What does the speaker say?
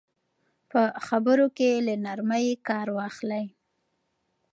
په خبرو کې له نرمۍ کار واخلئ.